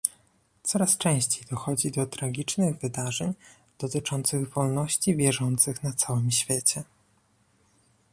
Coraz częściej dochodzi do tragicznych wydarzeń dotyczących wolności wierzących na całym świecie